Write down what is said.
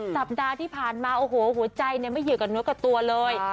สัปดาห์ที่ผ่านมาโอ้โหหัวใจไม่เกี่ยวกับเนื้อกับตัวเลย